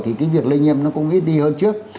thì cái việc lây nhiễm nó cũng ít đi hơn trước